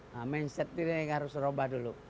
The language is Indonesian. nah mindset kita harus merubah dulu